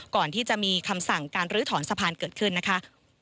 ก่อนที่จะมีคำสั่งการลื้อถอนสะพานเกิดขึ้นนะคะ